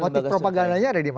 motif propagandanya ada dimana